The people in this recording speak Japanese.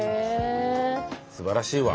すばらしいわ。